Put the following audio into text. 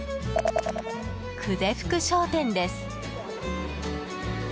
久世福商店です。